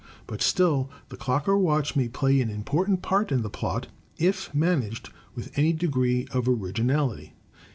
But still the clock or watch may play an important part in the plot, if managed with any degree of originality.